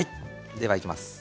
ではいきます。